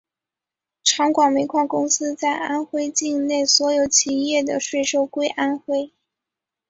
长广煤矿公司在安徽境内所有企业的税收归安徽。